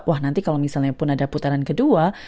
wah nanti kalau misalnya pun ada putaran kedua